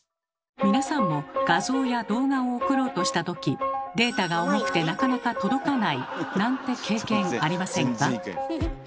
皆さんも画像や動画を送ろうとした時データが重くてなかなか届かないなんて経験ありませんか？